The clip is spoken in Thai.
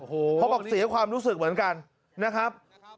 เขาบอกเสียความรู้สึกเหมือนกันนะครับ